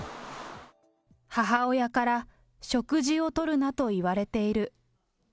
母親から食事をとるなと言われている。